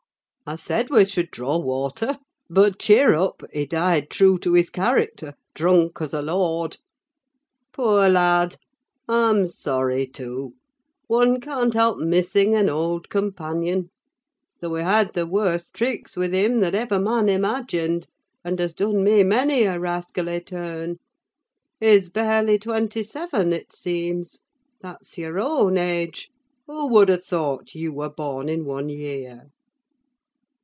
I said we should draw water. But cheer up! He died true to his character: drunk as a lord. Poor lad! I'm sorry, too. One can't help missing an old companion: though he had the worst tricks with him that ever man imagined, and has done me many a rascally turn. He's barely twenty seven, it seems; that's your own age: who would have thought you were born in one year?"